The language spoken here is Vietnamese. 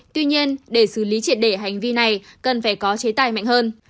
tuy nhiên để xử lý triệt để hành vi này cần phải có chế tài mạnh hơn